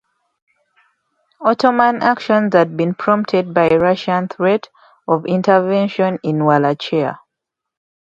Ottoman actions had been prompted by Russian threat of intervention in Wallachia.